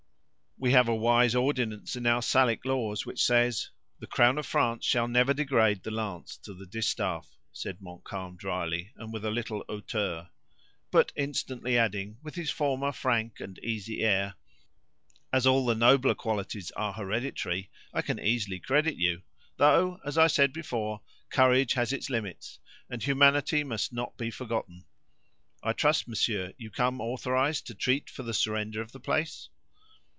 "We have a wise ordinance in our Salique laws, which says, 'The crown of France shall never degrade the lance to the distaff'," said Montcalm, dryly, and with a little hauteur; but instantly adding, with his former frank and easy air: "as all the nobler qualities are hereditary, I can easily credit you; though, as I said before, courage has its limits, and humanity must not be forgotten. I trust, monsieur, you come authorized to treat for the surrender of the place?"